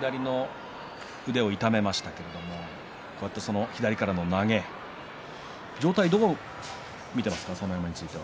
左の腕を痛めましたけれども左からの投げ、状態はどう見ていますか朝乃山について。